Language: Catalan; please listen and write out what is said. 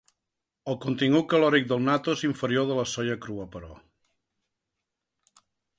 El contingut calòric del natto és inferior al de la soia crua, però.